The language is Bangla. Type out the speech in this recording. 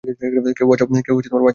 কেউ বাঁচাও, প্লিজ!